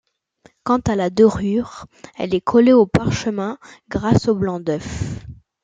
Quant à la dorure, elle est collée au parchemin grâce au blanc d'œuf.